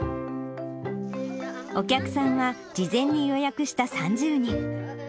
お客さんは、事前に予約した３０人。